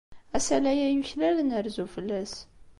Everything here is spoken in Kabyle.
Asalay-a yuklal ad nerzu fell-as.